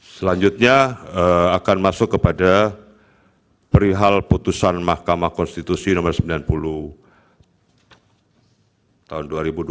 selanjutnya akan masuk kepada perihal putusan mahkamah konstitusi nomor sembilan puluh tahun dua ribu dua puluh